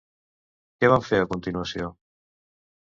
Què van fer a continuació?